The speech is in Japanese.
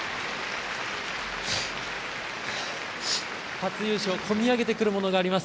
初優勝込み上げてくるものがあります。